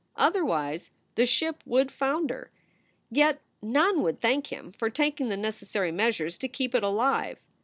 Otherwise, the ship would founder; yet none would thank him for taking the necessary measures to keep it alive.